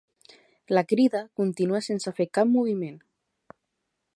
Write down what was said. La Crida continua sense fer cap moviment